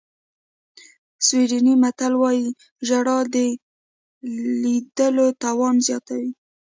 سویډني متل وایي ژړا د لیدلو توان زیاتوي.